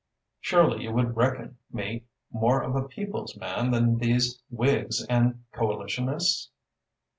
Surely you would reckon me more of a people's man than these Whigs and Coalitionists?"